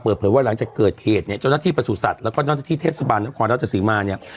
เปิดเผยว่าหลังจากเกิดเหตุเนี่ยเจ้าหน้าที่ประสุทธิ์แล้วก็เจ้าหน้าที่เทศบาลนครราชสีมาเนี่ย